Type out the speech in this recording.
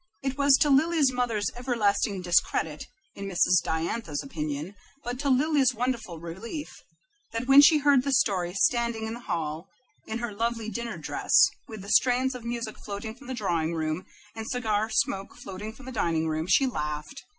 It was to Lily's mother's everlasting discredit, in Mrs. Diantha's opinion, but to Lily's wonderful relief, that when she heard the story, standing in the hall in her lovely dinner dress, with the strains of music floating from the drawing room, and cigar smoke floating from the dining room, she laughed.